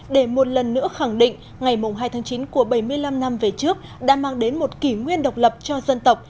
để một lần nữa khẳng định ngày hai tháng chín của bảy mươi năm năm về trước đã mang đến một kỷ nguyên độc lập cho dân tộc